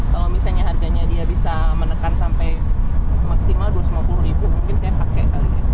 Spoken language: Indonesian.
kalau misalnya harganya dia bisa menekan sampai maksimal dua ratus lima puluh ribu mungkin saya pakai kalinya